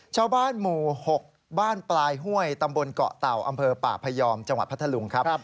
ชาวบ้านหมู่๖บ้านปลายห้วยตำบลเกาะเต่าอำเภอป่าพยอมจังหวัดพัทธลุงครับ